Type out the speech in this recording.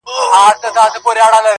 دا په جرګو کي د خبرو قدر څه پیژني!.